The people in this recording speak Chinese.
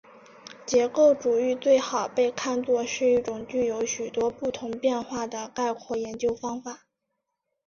结构主义最好被看作是一种具有许多不同变化的概括研究方法。